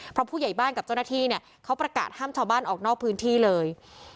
เพราะผู้ใหญ่บ้านกับเจ้าหน้าที่เนี่ยเขาประกาศห้ามชาวบ้านออกนอกพื้นที่เลย